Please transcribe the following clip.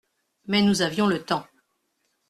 Mais nous avions le temps.